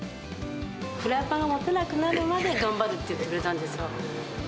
フライパンが持てなくなるまで頑張るって言ってくれたんですよ。